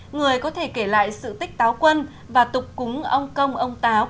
người có thể kể lại sự tích táo quân và tục cúng ông công ông táo